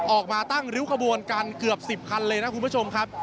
ออกมาตั้งริ้วขบวนกันเกือบ๑๐คันเลยนะคุณผู้ชมครับ